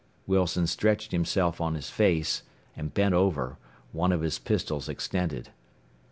Wilson stretched himself on his face, and bent over, one of his pistols extended.